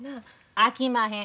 あきまへん。